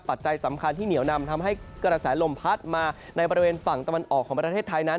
ปัจจัยสำคัญที่เหนียวนำทำให้กระแสลมพัดมาในบริเวณฝั่งตะวันออกของประเทศไทยนั้น